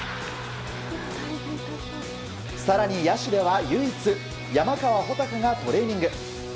更に野手では唯一、山川穂高がトレーニング。